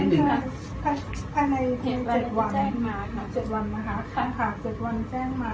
เป็นเหมือนกันเป็นเหมือนกันใช่ค่ะ